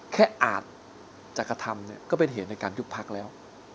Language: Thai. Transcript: อาจจะกระทำก็เป็นเหตุในการยุบพักแล้ว